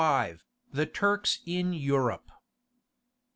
XXV. THE TURKS IN EUROPE.